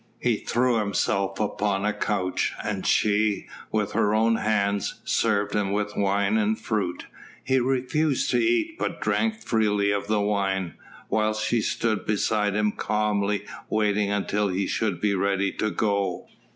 He threw himself upon a couch and she, with her own hands, served him with wine and fruit. He refused to eat but drank freely of the wine, whilst she stood beside him calmly waiting until he should be ready to go.